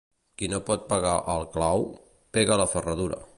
Qui no pot pegar al clau, pega a la ferradura.